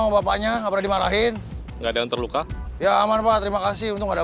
bapaknya nggak pernah dimarahin enggak ada yang terluka ya aman pak terima kasih untuk ada